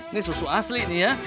ini susu asli nih ya